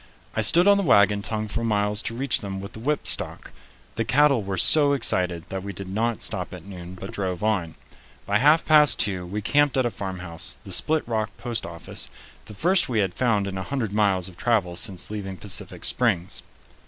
I stood on the wagon tongue for miles to reach them with the whipstock. The cattle were so excited that we did not stop at noon, but drove on. By half past two we camped at a farmhouse, the Split Rock post office, the first we had found in a hundred miles of travel since leaving Pacific Springs.